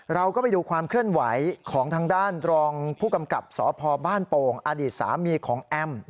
เราก็ไปดูความเคลื่อนไหวของทางด้านรองผู้กำกับสพบ้านโป่งอดีตสามีของแอม